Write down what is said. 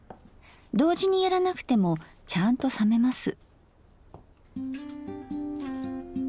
同時にやらなくてもちゃんと冷めます。